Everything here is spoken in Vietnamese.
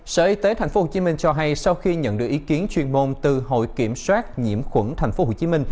sở y tế tp hcm cho hay sau khi nhận được ý kiến chuyên môn từ hội kiểm soát nhiễm khuẩn tp hcm